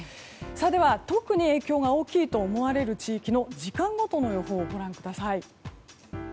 では特に影響が大きいと思われる地域の時間ごとの予報をご覧ください。